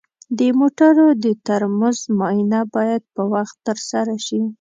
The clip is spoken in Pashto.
د موټرو د ترمز معاینه باید په وخت ترسره شي.